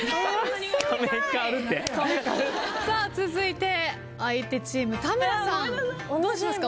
さあ続いて相手チーム田村さん。どうしますか？